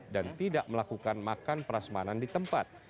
dan tidak melakukan makan perasmanan di tempat